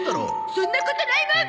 そんなことないもん！